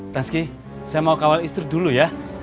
tasky saya mau kawal istri dulu ya